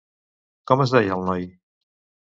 Com es deia el noi?